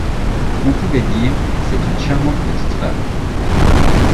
On pouvait dire : «C'est une charmante petite femme !